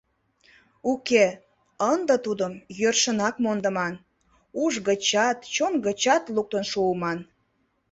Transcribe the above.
Уке, ынде тудым йӧршынак мондыман, уш гычат, чон гычат луктын шуыман.